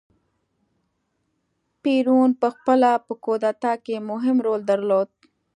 پېرون په خپله په کودتا کې مهم رول درلود.